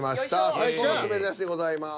最高の滑り出しでございます。